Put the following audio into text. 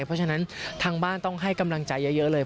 เพราะฉะนั้นทางบ้านต้องให้กำลังใจเยอะเลย